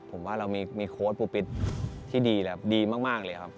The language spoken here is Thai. ผมว่าเรามีโค้ดปุ๊บปิดที่ดีดีมากเลยครับ